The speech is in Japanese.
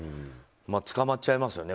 捕まっちゃいますよね